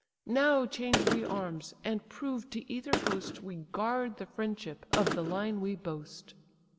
Now change we arms, and prove to either host We guard the friendship of the line we boast."